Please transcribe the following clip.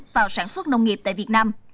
vào sản xuất nông nghiệp tại việt nam